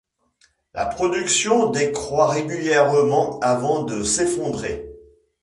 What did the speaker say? La production décroît régulièrement avant de s'effondrer.